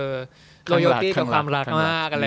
โยโยตี้กับความรักมาก